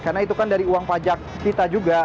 karena itu kan dari uang pajak kita juga